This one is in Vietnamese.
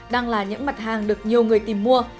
đang là những mặt hàng được nhiều người tìm mua